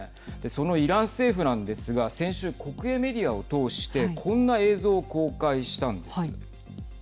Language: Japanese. そのイラン政府なんですが先週国営メディアを通してこんな映像を公開したんです。